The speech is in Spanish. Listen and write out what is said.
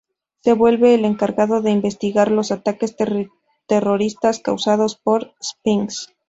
Se vuelve el encargado de investigar los ataques terroristas causados por Sphinx.